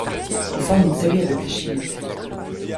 Elle forme une série avec la scheelite.